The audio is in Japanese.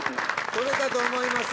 撮れたと思います！